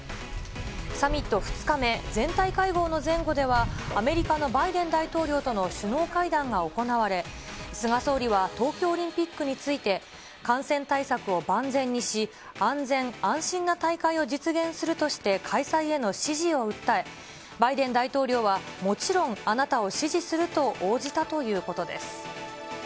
サミット２日目、全体会合の前後では、アメリカのバイデン大統領との首脳会談が行われ、菅総理は東京オリンピックについて、感染対策を万全にし、安全・安心な大会を実現するとして、開催への支持を訴え、バイデン大統領は、もちろん、あなたを支持すると応じたということです。